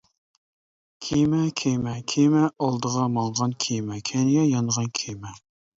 كېمە كېمە، كېمە ئالدىغا ماڭغان كېمە، كەينىگە يانغان كېمە.